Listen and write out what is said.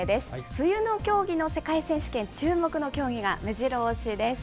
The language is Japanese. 冬の競技の世界選手権、注目の競技がめじろ押しです。